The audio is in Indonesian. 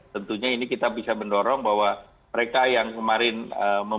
tentunya ini kita bisa mendorong bahwa mereka yang kemarin memutuskan